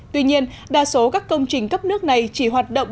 tuy nhiên đa số các công trình cấp nước này chỉ hoạt động